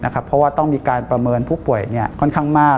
เพราะว่าต้องมีการประเมินผู้ป่วยค่อนข้างมาก